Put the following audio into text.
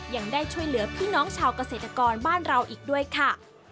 ยังได้ช่วยเหลือพี่น้องชาวเกษตรกรบ้านเราอีกด้วยค่ะ